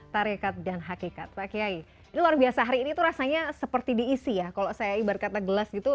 tapi kita harus jelaskan dulu